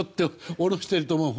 下ろしていると思います。